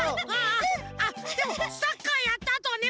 あっでもサッカーやったあとはね